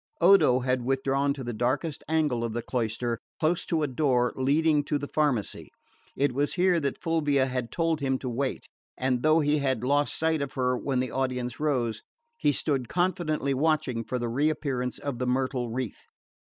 Odo had withdrawn to the darkest angle of the cloister, close to a door leading to the pharmacy. It was here that Fulvia had told him to wait; and though he had lost sight of her when the audience rose, he stood confidently watching for the reappearance of the myrtle wreath.